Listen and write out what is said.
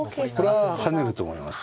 これは跳ねると思います。